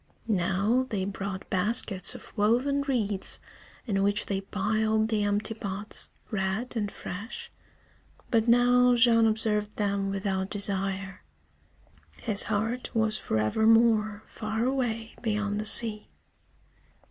Now they brought baskets of woven reeds in which they piled the empty pots, red and fresh. But now Jean observed them without desire. His heart was forevermore far away beyond the sea.